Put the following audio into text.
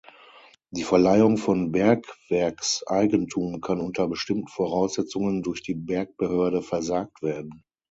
Die Verleihung von Bergwerkseigentum kann unter bestimmten Voraussetzungen durch die Bergbehörde versagt werden.